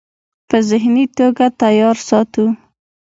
پۀ ذهني توګه تيار ساتو -